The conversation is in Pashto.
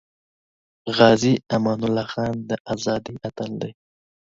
غازی امان الله خان د ازادی اتل دی